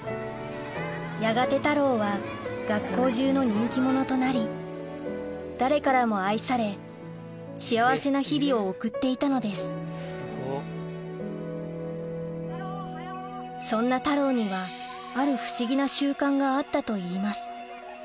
やがてタローは学校中の人気者となり誰からも愛され幸せな日々を送っていたのですそんなタローにはある不思議な習慣があったといいます